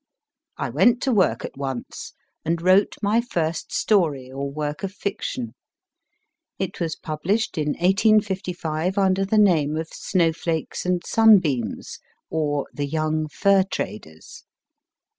I went to work at once, and wrote my first story or work of fiction. It was published in 1855 under the name of * Snowflakes and Sunbeams ; or, The Young Fur traders.